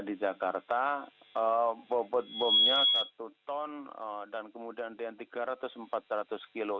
di jakarta bobot bomnya satu ton dan kemudian yang tiga ratus empat ratus kilo